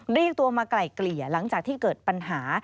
เรียกตัวมาไกล่เกลี่ยหลังจากที่เกิดปัญหา